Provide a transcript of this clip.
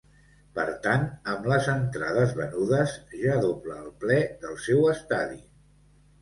Per tant, amb les entrades venudes, ja dobla el ple del seu estadi.